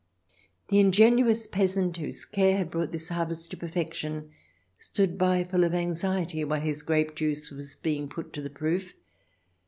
The ingenuous peasant, whose care had brought this harvest to perfection, stood by, full of anxiety while his grape juice was being put to the proof.